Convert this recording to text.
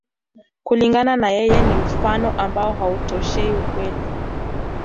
Kulingana na yeye, ni mfano ambao hautoshei ukweli.